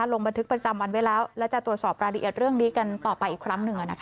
ลงบันทึกประจำวันไว้แล้วและจะตรวจสอบรายละเอียดเรื่องนี้กันต่อไปอีกครั้งหนึ่ง